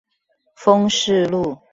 豐勢路